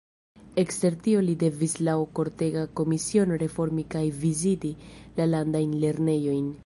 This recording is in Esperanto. Ekster tio li devis laŭ kortega komisio reformi kaj viziti la landajn lernejojn.